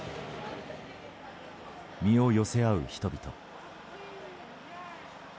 身を寄せ合う人々。